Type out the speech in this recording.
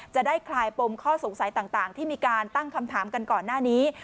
คลายปมข้อสงสัยต่างที่มีการตั้งคำถามกันก่อนหน้านี้